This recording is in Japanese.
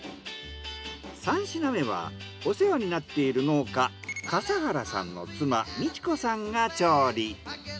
３品目はお世話になっている農家笠原さんの妻道子さんが調理。